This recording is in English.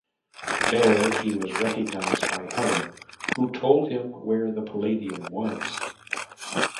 There he was recognized by Helen, who told him where the Palladium was.